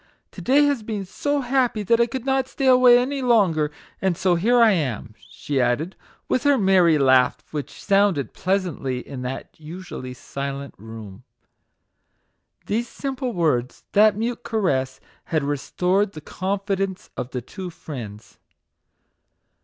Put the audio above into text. To day has been so happy that I could not stay away any longer, and so here I am," she added, with her merry laugh, which sounded pleasantly in that usually silent room. These simple words, that mute caress, had restored the confidence of the two friends.